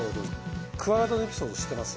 クワガタのエピソード知ってます？